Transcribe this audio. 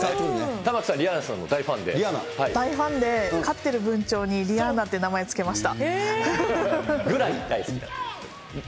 玉城さん、リアーナの大ファ大ファンで、飼ってる文鳥にリアーナっていう名前付けました。